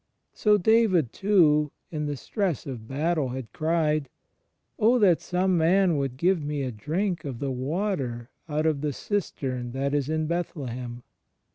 So David, too, in the stress of battle had cried, "Oh that some man would give me a drink of the water out of the cistern that is in Bethlehem!"